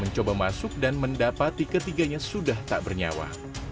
mencoba masuk dan mendapati ketiganya sudah tak bernyawa